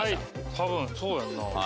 多分そうやんな。